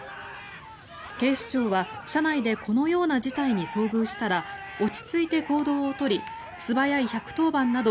警視庁は、車内でこのような事態に遭遇したら落ち着いて行動を取り素早い１１０番など